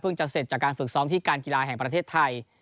จะเสร็จจากการฝึกซ้อมที่การกีฬาแห่งประเทศไทย